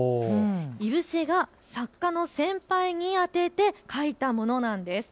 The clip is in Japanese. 井伏が作家の先輩に宛てて書いたものなんです。